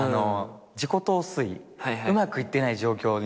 自己陶酔うまくいってない状況に。